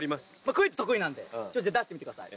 クイズ得意なんで出してみてください